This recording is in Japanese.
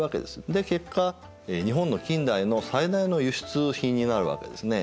で結果日本の近代の最大の輸出品になるわけですね。